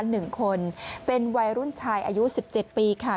หนึ่งคนเป็นวัยรุ่นชายอายุสิบเจ็ดปีค่ะ